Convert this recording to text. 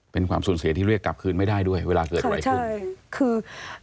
เป็นความสูญเสียที่เรียกกลับคืนไม่ได้ด้วยเวลาเกิดอะไรขึ้นคือ